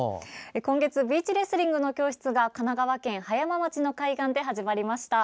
今月、ビーチレスリングの教室が神奈川県葉山町の海岸で始まりました。